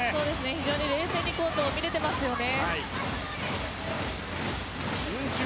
非常に冷静にコートを見れていますよね。